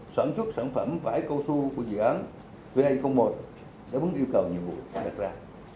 sản xuất sản phẩm vải câu su của dự án va một để vấn yêu cầu nhiệm vụ đặt ra